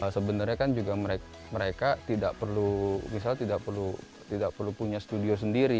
sebenarnya kan juga mereka tidak perlu punya studio sendiri